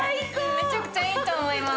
めちゃくちゃいいと思います。